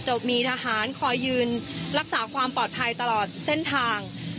มีทหารคอยยืนรักษาความปลอดภัยตลอดเส้นทาง